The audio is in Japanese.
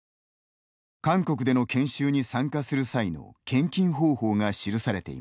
韓国での研修に参加する際の献金方法が記されていました。